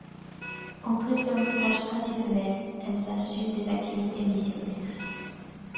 En plus de leurs tâches traditionnelles, elles assument des activités missionnaires.